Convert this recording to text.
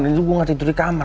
itu gue gak tidur di kamar